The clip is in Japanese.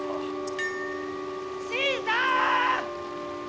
・新さんっ‼